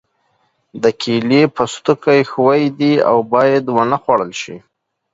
د کیلې پوستکی ښوی دی او باید ونه خوړل شي.